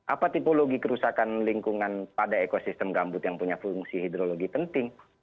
apa tipologi kerusakan lingkungan pada ekosistem gambut yang punya fungsi hidrologi penting